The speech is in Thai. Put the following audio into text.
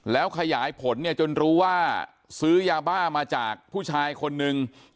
แล้วขยายผลเนี่ยจนรู้ว่าซื้อยาบ้ามาจากผู้ชายคนนึง